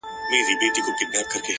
د خوار د ژوند كيسه ماتـه كړه-